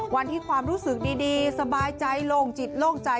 ความรู้สึกดีสบายใจโล่งจิตโล่งใจ